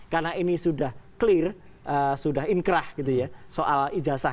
karena ini sudah clear sudah inkrah gitu ya soal ijazah